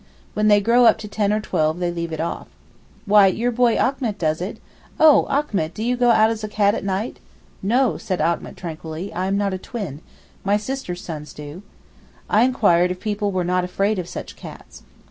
When they grow up to ten or twelve they leave it off. Why your boy Achmet does it. Oh Achmet! do you go out as a cat at night?' 'No,' said Achmet tranquilly, 'I am not a twin—my sister's sons do.' I inquired if people were not afraid of such cats.